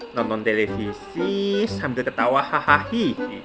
nonton televisi sambil ketawa hahahi